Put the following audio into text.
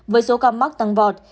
với số ca mắc tăng vọt